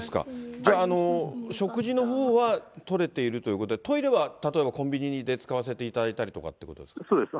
じゃあ、食事のほうはとれているということで、トイレは例えば、コンビニで使わせていただいたりとかということですか。